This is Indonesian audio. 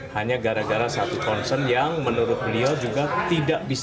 hanya gara gara satu concern yang menurut beliau juga tidak bisa